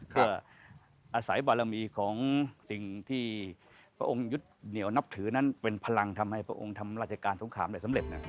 เพื่ออาศัยบารมีของสิ่งที่พระองค์ยุทธ์เหนียวนับถือนั้นเป็นพลังทำให้พระองค์ทำราชการสงครามได้สำเร็จ